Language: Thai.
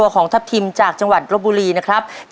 ขอบคุณครับ